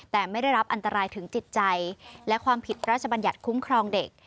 แต่ไม่ได้รับอันตรายถึงจิตใจและความผิดพระราชบัญญัติคุ้มครองเด็ก